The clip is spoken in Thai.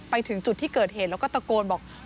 ไปถึงจุดที่เกิดเหตุแล้วก็ตะโกนบอก